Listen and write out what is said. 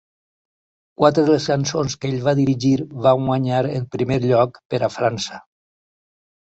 Quatre de les cançons que ell va dirigir van guanyar el primer lloc per a França.